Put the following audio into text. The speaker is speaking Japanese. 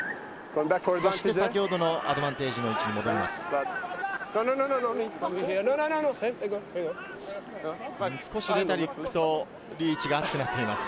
そして先ほどのアドバンテージの位置に戻ります。